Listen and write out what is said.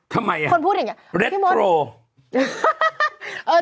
คนพูดอย่างเงี้ยพี่มนต์เรตโทร